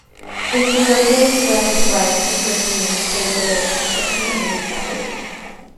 Emperor Haile Selassie's wife, Empress Menen, paid for the construction of the new chapel.